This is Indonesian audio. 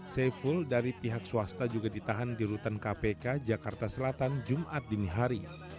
saiful dari pihak swasta juga ditahan di rutan kpk jakarta selatan jumat dini hari